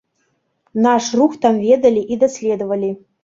Наш рух там ведалі і даследавалі.